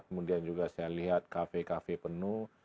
kemudian juga saya lihat kafe kafe penuh